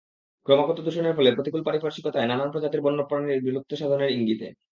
ক্রমাগত দূষণের ফলে প্রতিকূল পারিপার্শ্বিকতায় নানান প্রজাতির বন্য প্রাণীর বিলুপ্তিসাধনের ইঙ্গিতে।